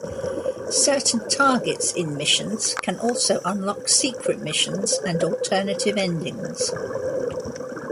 Certain targets in missions can also unlock secret missions and alternative endings.